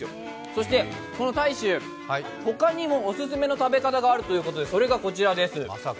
そして太秋、ほかにもおすすめの食べ方があるということで、それがこちらです。